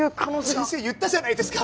先生言ったじゃないですか。